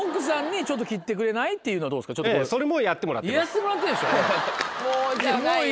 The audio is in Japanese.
やってもらってるんでしょもう。